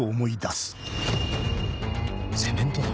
セメントだ。